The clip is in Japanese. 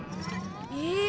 え。